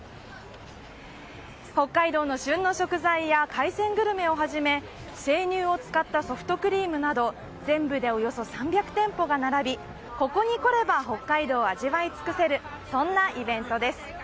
北海道の旬の食材や海鮮グルメをはじめ生乳を使ったソフトクリームなど全部で、およそ３００店舗が並びここに来れば北海道を味わい尽くせるそんなイベントです。